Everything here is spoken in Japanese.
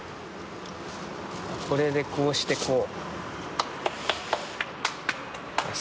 これでこうしてこう。